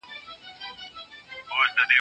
زه به سبا د سبا لپاره د درسونو يادونه وکړم؟!